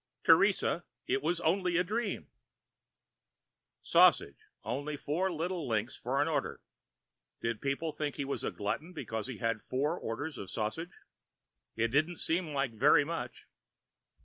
"Teresa, it was only a dream." Sausage, only four little links for an order. Did people think he was a glutton because he had four orders of sausage? It didn't seem like very much.